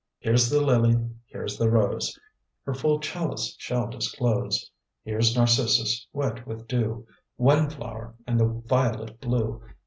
Here's the lily, here the rose Her full chalice shall disclose; Here's narcissus wet with dew, Windflower and the violet blue.